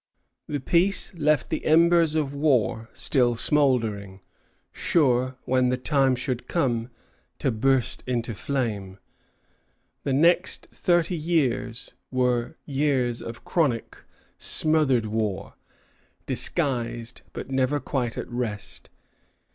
The peace left the embers of war still smouldering, sure, when the time should come, to burst into flame. The next thirty years were years of chronic, smothered war, disguised, but never quite at rest.